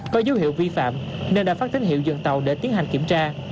có dấu hiệu vi phạm nên đã phát tín hiệu dừng tàu để tiến hành kiểm tra